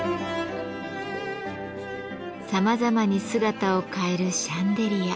さまざまに姿を変えるシャンデリア。